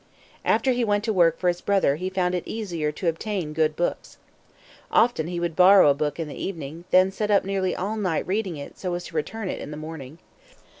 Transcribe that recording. After he went to work for his brother he found it easier to obtain good books. Often he would borrow a book in the evening, and then sit up nearly all night reading it so as to return it in the morning.